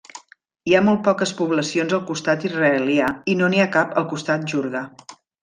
Hi ha molt poques poblacions al costat israelià i no n'hi cap al costat jordà.